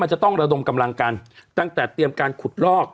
จะต้องระดมกำลังกันตั้งแต่เตรียมการขุดลอก